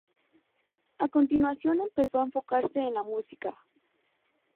A continuación empezó a enfocarse en la música.